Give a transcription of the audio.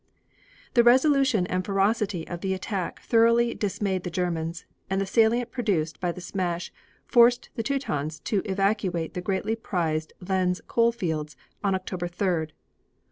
The resolution and ferocity of the attack thoroughly dismayed the Germans, and the salient produced by the smash forced the Teutons to evacuate the greatly prized Lens coal fields on October 3d.